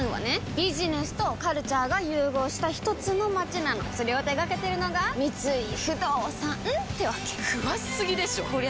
ビジネスとカルチャーが融合したひとつの街なのそれを手掛けてるのが三井不動産ってわけ詳しすぎでしょこりゃ